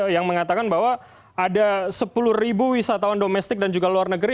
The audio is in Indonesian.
yang mengatakan bahwa ada sepuluh wisatawan domestik dan juga luar negeri